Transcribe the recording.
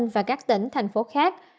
và các tỉnh thành phố khác